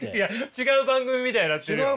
違う番組みたいになってる。